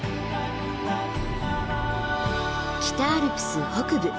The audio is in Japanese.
北アルプス北部